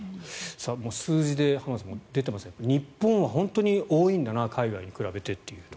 数字で浜田さん、出ていますが日本は本当に海外に比べて多いんだなと。